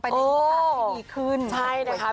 ไปในประมาณที่ดีขึ้น